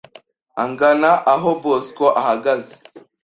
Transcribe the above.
agana aho Bosco ahagaze,